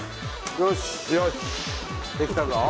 よしできたぞよ